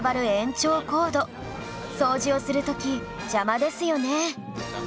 掃除をする時邪魔ですよね